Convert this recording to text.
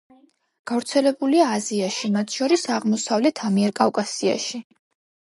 გავრცელებულია აზიაში, მათ შორის, აღმოსავლეთ ამიერკავკასიაში.